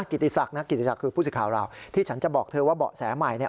กิติศักดิ์นะกิติศักดิ์คือผู้สื่อข่าวเราที่ฉันจะบอกเธอว่าเบาะแสใหม่